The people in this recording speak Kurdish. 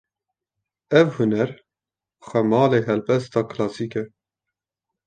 Ev huner, xwemalê helbesta klasîk e